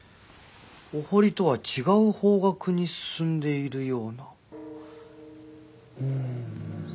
お堀とは違う方角に進んでいるような。